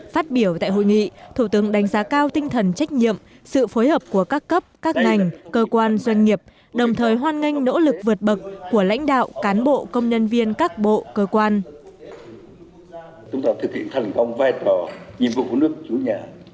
phát biểu tại hội nghị thủ tướng đánh giá cao tinh thần trách nhiệm sự phối hợp của các cấp các ngành cơ quan doanh nghiệp đồng thời hoan nghênh nỗ lực vượt bậc của lãnh đạo cán bộ công nhân viên các bộ cơ quan